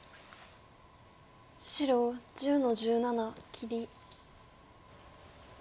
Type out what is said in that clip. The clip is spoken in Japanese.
白１０の十七切り。